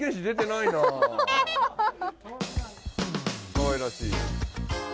かわいらしい。